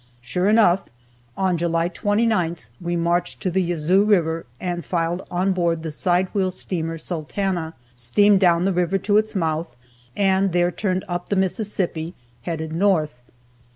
Sure enough, on July 29th we marched to the Yazoo river and filed on board the side wheel steamer "Sultana," steamed down the river to its mouth, and there turned up the Mississippi, headed north.